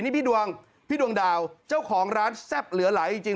นี่พี่ดวงพี่ดวงดาวเจ้าของร้านแซ่บเหลือไหลจริง